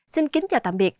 xin kính chào tạm biệt